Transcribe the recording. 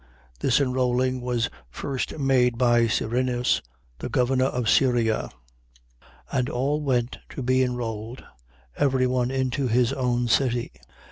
This enrolling was first made by Cyrinus, the governor of Syria. 2:3. And all went to be enrolled, every one into his own city. 2:4.